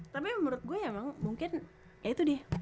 tapi menurut gue emang mungkin ya itu deh